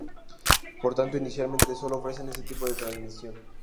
Por tanto, inicialmente solo ofrecen este tipo de transmisión.